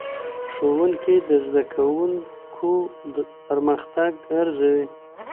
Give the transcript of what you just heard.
ښوونکی د زدهکوونکو پرمختګ ارزوي.